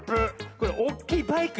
これおっきいバイクね。